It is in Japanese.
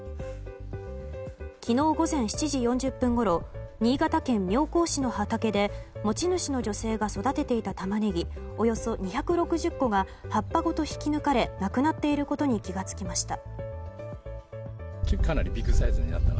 昨日午前７時４０分ごろ新潟県妙高市の畑で持ち主の女性が育てていたタマネギおよそ２６０個が葉っぱごと引き抜かれなくなっていることに気づきました。